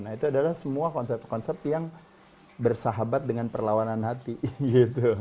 nah itu adalah semua konsep konsep yang bersahabat dengan perlawanan hati gitu